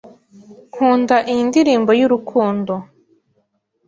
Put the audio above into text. Nkunda iyi ndirimbo y'urukundo.